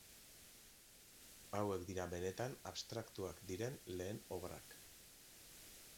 Hauek dira benetan abstraktuak diren lehen obrak.